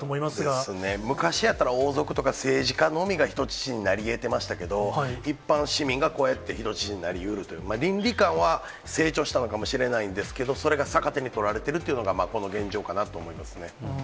そうですね、昔やったら王族とか、政治家のみが人質になりえてましたけど、一般市民がこうやって人質になりうるという、倫理観は成長したのかもしれないんですけど、それが逆手に取られているというのが、この現状かなと思いますね。